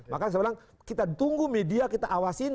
maka saya bilang kita ditunggu media kita awasin